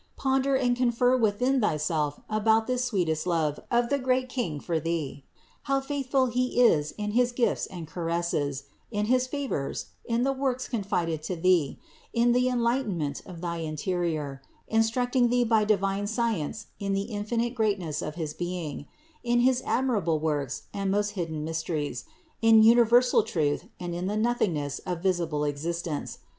Ponder and confer within thyself about this sweetest love of the great King for thee; how faithful He is in his gifts and caresses, in his favors, in the works confided to thee, in the enlightenment of thy interior, instructing thee by divine science in the infinite greatness of his Being, in his admirable works and most hidden mysteries, in uni versal truth and in the nothingness of visible existence.